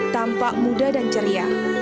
tampak muda dan ceria